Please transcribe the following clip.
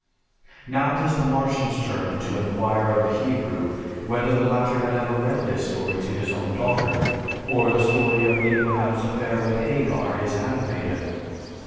Now it is the Martian's turn to inquire of the Hebrew whether the latter had ever read this story to his own daughter? Or, the story of Abraham's affair with Hagar, his handmaiden?